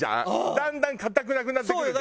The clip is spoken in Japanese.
だんだん硬くなくなってくるじゃん。